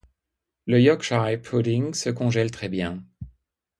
Le Yorkshire pudding se congèle très bien.